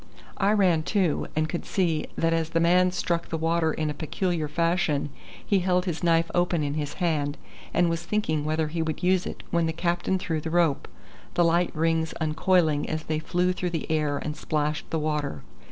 I ran too, and could see that as the man struck the water in a peculiar fashion, he held his knife open in his hand, and was thinking whether he would use it when the captain threw the rope, the light rings uncoiling as they flew through the air and splashed the water.